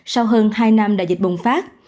sau hơn hai năm đại dịch bùng phát